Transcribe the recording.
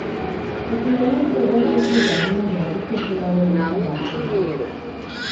په ټولنیزو غونډو کې ګډون د اړیکو جوړولو سبب ګرځي.